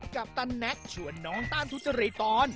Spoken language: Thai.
ปตันแน็กชวนน้องต้านทุจริตตอน